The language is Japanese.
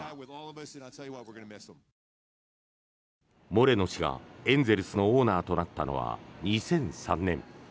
モレノ氏が、エンゼルスのオーナーとなったのは２００３年。